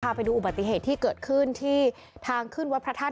ไปดูอุบัติเหตุที่เกิดขึ้นที่ทางขึ้นวัดพระธาตุ